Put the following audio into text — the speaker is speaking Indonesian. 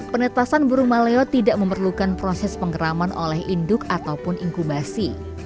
penetasan burung maleo tidak memerlukan proses penggeraman oleh induk ataupun inkubasi